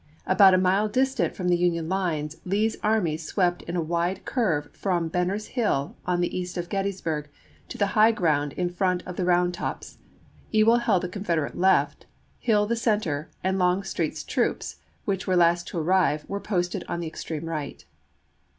About a mile distant from the Union lines Lee's army swept in a wide curve from Benner's Hill, on the east of Gettys burg, to the high ground in front of the Round Tops; Ewell held the Confederate left, Hill the center, and Longstreet's troops, which were last to arrive, were posted on the extreme right.